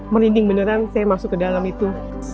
merinding beneran saya masuk ke dalam itu